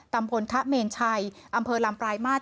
พลคะเมนชัยอำเภอลำปลายมาตร